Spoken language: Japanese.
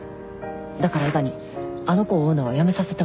だから伊賀にあの子を追うのはやめさせてほしい。